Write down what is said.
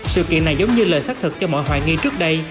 sự kiện này giống như lời xác thực cho mọi hoài nghi trước đây